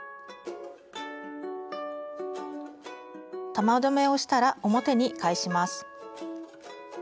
玉留めをしたら表に返します。